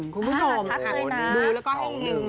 คุณผู้ชมดูแล้วก็ให้เอง